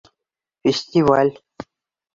Фестиваль!